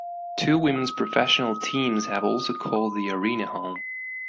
Two women's professional teams have also called the arena home.